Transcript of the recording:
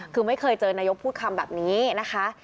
คือไม่เคยเจอนายกพูดคำแบบนี้นะคะ